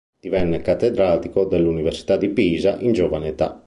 Divenne cattedratico dell'Università di Pisa in giovane età.